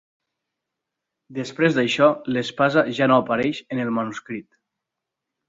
Després d'això l'espasa ja no apareix en el manuscrit.